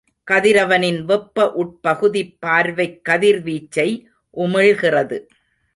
கதிரவனின் வெப்ப உட்பகுதிப் பார்வைக் கதிர்வீச்சை உமிழ்கிறது.